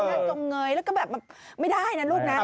ลดนั่นตรงเงยแล้วก็แบบไม่ได้นะลูกนั้น